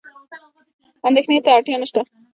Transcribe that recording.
اندېښنې ته اړتیا نشته.